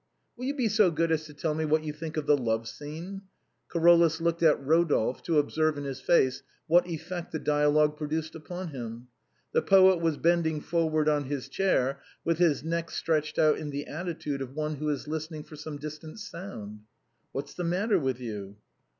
" Will you be so good as to tell me what you think of the love scene ?" Carolus looked at Eodolphe to observe in his face what effect the dialogue produced upon him. The poet was bending forward on his chair, with his neck stretched out in the attitude of one who is listening for some distant sound. " What's the matter with you